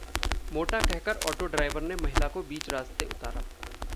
मोटा कहकर auto driver ने महिला को बीच रास्ते उतारा